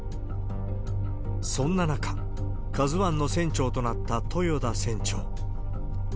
そんな中、ＫＡＺＵＩの船長となった豊田船長。